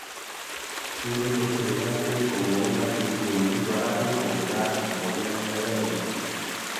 Suele considerarse como un aperitivo muy barato y popular en algunas playas de Brasil.